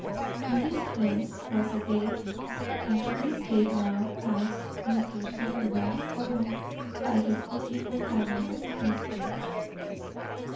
In this fence was a gate, and through this gate now passed Mr. Sutherland, followed by his would be companion, Miss Page.